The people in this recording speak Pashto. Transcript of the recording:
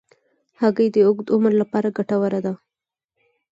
هګۍ د اوږد عمر لپاره ګټوره ده.